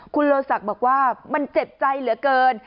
คุณโลศักดิ์บอกว่ามันเจ็บใจเหลือเกิน